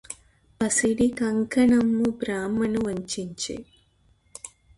పసిడి కంకణమ్ము బ్రాహ్మణు వంచించె